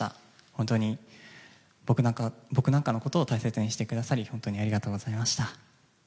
本当に僕なんかのことを大切にしてくださり本当にありがとうございました。